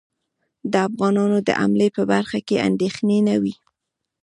د افغانانو د حملې په برخه کې اندېښنې نه وې.